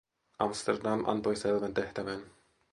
Amsterdam antoi selvän tehtävän.